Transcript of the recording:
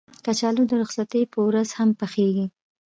کچالو د رخصتۍ په ورځ هم پخېږي